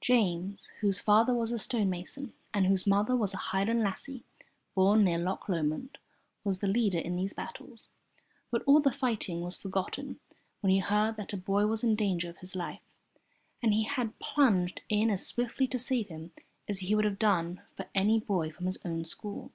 James, whose father was a stonemason and whose mother was a Highland lassie born near Loch Lomond, was the leader in these battles, but all the fighting was forgotten when he heard that a boy was in danger of his life, and so he had plunged in as swiftly to save him as he would have done for any boy from his own school.